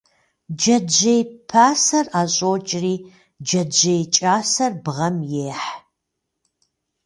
Джэджьей пасэр ӏэщӏокӏри, джэджьей кӏасэр бгъэм ехь.